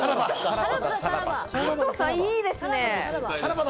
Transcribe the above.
加藤さんいいですね。